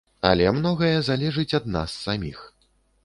Але многае залежыць ад нас саміх.